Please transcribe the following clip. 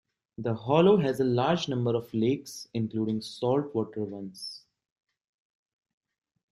The hollow has a large number of lakes, including saltwater ones.